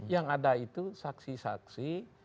yang ada itu saksi saksi